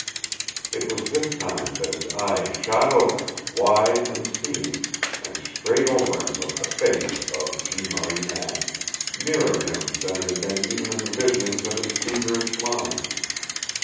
It was this time that his eyes shot open, wide and seeing, and straight over him was the face of Jeanne Marie Anne, nearer him than it had been even in the visionings of his feverish mind.